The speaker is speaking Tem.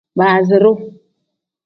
Basiru.